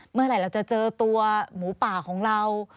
เมื่อไหร่เราจะเจอตัวหมูป่าของเรา